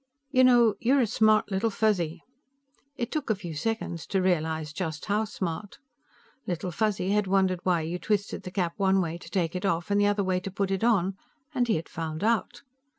"You know, you're a smart Little Fuzzy." It took a few seconds to realize just how smart. Little Fuzzy had wondered why you twisted the cap one way to take it off and the other way to put it on, and he had found out.